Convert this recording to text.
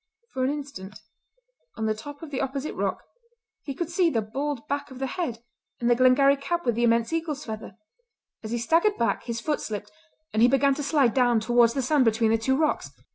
For an instant, on the top of the opposite rock he could see the bald back of the head and the Glengarry cap with the immense eagle's feather. As he staggered back his foot slipped, and he began to slide down towards the sand between the two rocks.